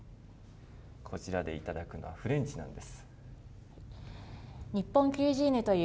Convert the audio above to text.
こちらでいただくのはフレンチなんです。